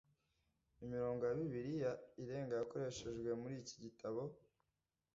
imirongo ya bibiliya irenga yakoreshejwe muri iki gitabo